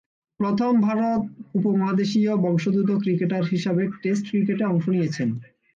প্রথম ভারত উপমহাদেশীয় বংশোদ্ভূত ক্রিকেটার হিসেবে টেস্ট ক্রিকেটে অংশ নিয়েছেন।